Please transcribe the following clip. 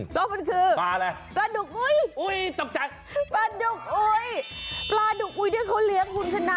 ก็มันคือปลาดุกอุ้ยปลาดุกอุ้ยที่เขาเลี้ยงคุณชนะ